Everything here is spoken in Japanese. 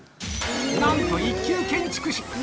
なんと一級建築士。